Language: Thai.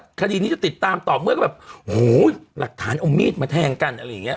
อีกทีนี้ติดตามตอบเมื่อแบบโหหลักฐานเอามีทมาแทงกันอะไรแบบเนี่ย